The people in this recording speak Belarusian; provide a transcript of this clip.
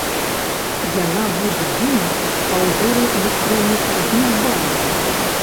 Яна будзе дзейнічаць па ўзоры электроннай чаргі ў банку.